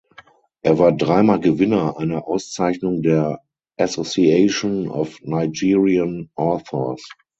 Er war dreimal Gewinner einer Auszeichnung der "Association of Nigerian Authors".